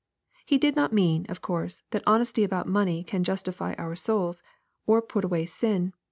— He did not mean, of course, that honesty about money can justify our souls, or put away sin.